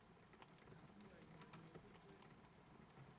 Tháng mười nhớ nhớ quên quên